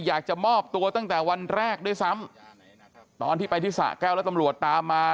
อยากจะมอบตัวตั้งแต่วันแรกด้วยซ้ำตอนที่ไปที่สะแก้วแล้วตำรวจตามมา